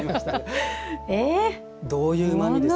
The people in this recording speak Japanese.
どういう、うまみですか。